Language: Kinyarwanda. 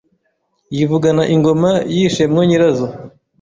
Yivugana ingoma yishe mwo nyirazo